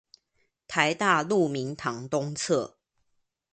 臺大鹿鳴堂東側